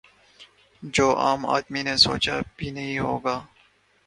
جو عام آدمی نے سوچا بھی نہیں ہو گا